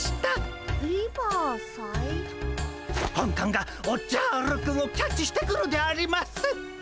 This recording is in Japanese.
本官がおっじゃるくんをキャッチしてくるであります！